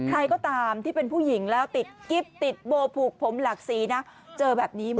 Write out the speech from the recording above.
ใครก็ตามที่เป็นผู้หญิงแล้วติดกิ๊บติดโบผูกผมหลากสีนะเจอแบบนี้หมด